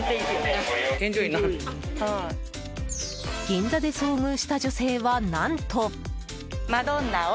銀座で遭遇した女性は何と。